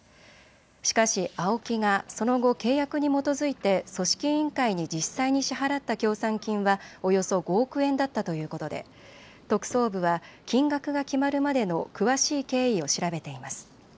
しかしＡＯＫＩがその後、契約に基づいて組織委員会に実際に支払った協賛金はおよそ５億円だったということで特捜部は金額が決まるまでの詳しい経緯を調べています。